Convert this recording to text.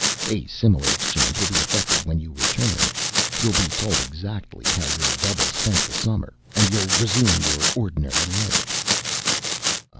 A similar exchange will be affected when you return, you'll be told exactly how your double spent the summer, and you'll resume your ordinary life."